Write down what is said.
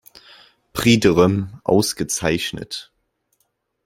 Prix de Rome ausgezeichnet.